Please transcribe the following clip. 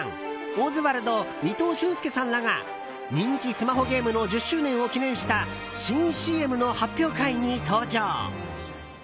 オズワルド伊藤俊介さんらが人気スマホゲームの１０周年を記念した新ＣＭの発表会に登場。